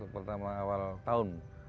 pertama awal tahun